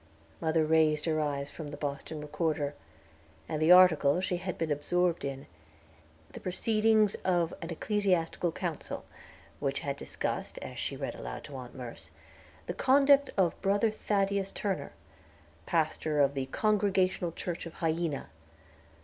Mother raised her eyes from the Boston Recorder, and the article she had been absorbed in the proceedings of an Ecclesiastical Council, which had discussed (she read aloud to Aunt Merce) the conduct of Brother Thaddeus Turner, pastor of the Congregational Church of Hyena.